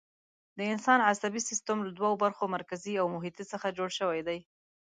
د انسان عصبي سیستم له دوو برخو، مرکزي او محیطي څخه جوړ شوی دی.